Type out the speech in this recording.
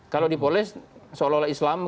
kalau dipoles seolah olah islam